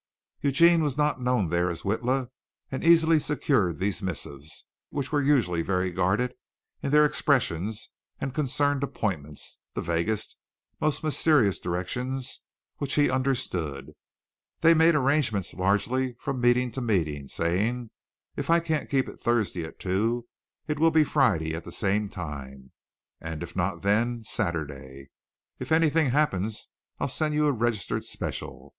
Eugene was not known there as Witla and easily secured these missives, which were usually very guarded in their expressions and concerned appointments the vaguest, most mysterious directions, which he understood. They made arrangements largely from meeting to meeting, saying, "If I can't keep it Thursday at two it will be Friday at the same time; and if not then, Saturday. If anything happens I'll send you a registered special."